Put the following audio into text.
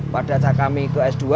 pada saat kami ke s dua